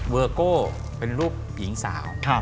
เวอร์โก้เป็นลูกหญิงสาว